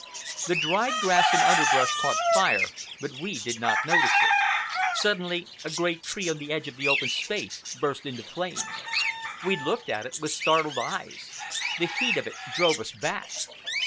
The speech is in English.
The dried grass and underbrush caught fire, but we did not notice it. Suddenly a great tree on the edge of the open space burst into flames. We looked at it with startled eyes. The heat of it drove us back.